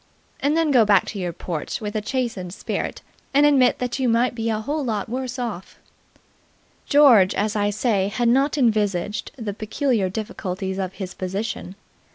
And then go back to your porch with a chastened spirit and admit that you might be a whole lot worse off. George, as I say, had not envisaged the peculiar difficulties of his position.